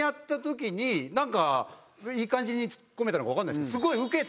いい感じにツッコめたのか分かんないですけど。